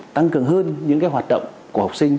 tăng cường hơn những hoạt động của học sinh